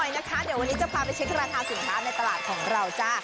มาใกล้กันหน่อยนะคะเดี๋ยววันนี้จะพาไปเช็คราคาสินค้าในตลาดของเราจ้ะ